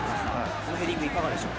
このヘディング、いかがでしょう。